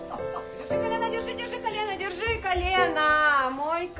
もう一回。